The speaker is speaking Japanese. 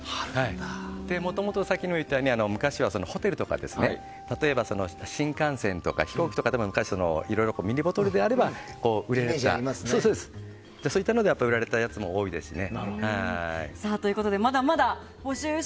もともとさっきも言ったように昔ホテルとか、新幹線とか飛行機とかでもいろいろミニボトルであれば売れるとかそういったもので売られたやつも多いですね。